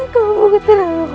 kau bukan orang lain ida karim